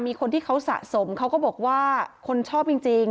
คนที่เขาสะสมเขาก็บอกว่าคนชอบจริง